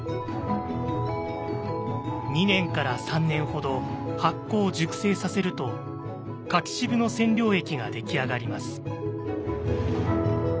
２年から３年ほど発酵・熟成させると柿渋の染料液が出来上がります。